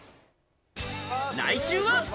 来週は。